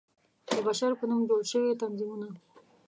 د بشر په نوم جوړ شوى تنظيمونه